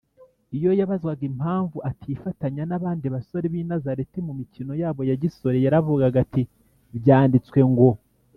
Iyo yabazwaga impamvu atifatanya n’abandi basore b’i Nazareti mu mikino yabo ya gisore, Yaravugaga ati, Byanditswe ngo